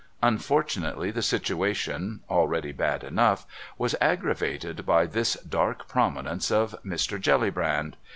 Unfortunately the situation, already bad enough, was aggravated by this dark prominence of Mr. Jellybrand.